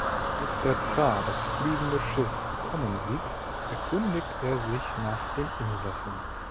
Als der Zar das Fliegende Schiff kommen sieht, erkundigt er sich nach den Insassen.